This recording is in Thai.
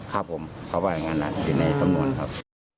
ครับผมเขาว่าอย่างนั้นอยู่ในสำนวนครับ